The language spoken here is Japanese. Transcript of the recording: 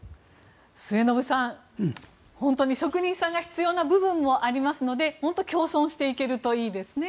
末延さん、本当に職人さんが必要な部分もありますので本当に共存していけるといいですね。